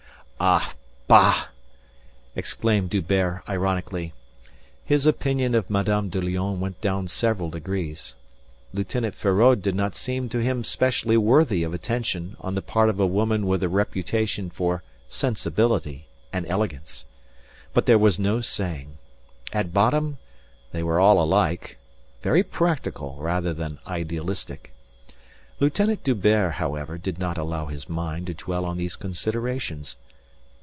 "Ah, bah!" exclaimed D'Hubert ironically. His opinion of Madame de Lionne went down several degrees. Lieutenant Feraud did not seem to him specially worthy of attention on the part of a woman with a reputation for sensibility and elegance. But there was no saying. At bottom they were all alike very practical rather than idealistic. Lieutenant D'Hubert, however, did not allow his mind to dwell on these considerations.